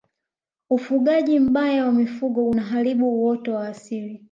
ufugaji mbaya wa mifugo unaharibu uoto wa asili